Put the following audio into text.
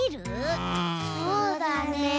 そうだねえ。